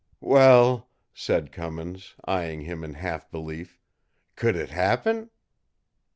"Well," said Cummins, eying him in half belief. "Could it happen?"